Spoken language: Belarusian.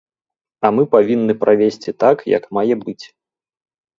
А мы павінны правесці так, як мае быць.